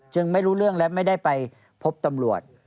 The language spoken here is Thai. ไม่รู้เรื่องและไม่ได้ไปพบตำรวจ